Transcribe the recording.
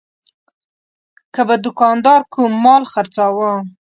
که به دوکاندار کوم مال خرڅاوه.